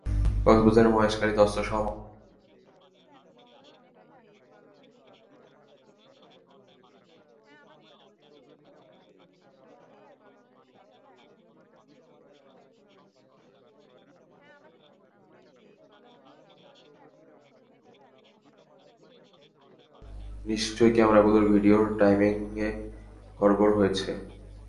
নিশ্চয়ই, ক্যামেরাগুলোর ভিডিয়োর টাইমিং এ গড়বড় হয়েছে।